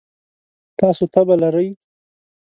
تاسو تبه لرئ؟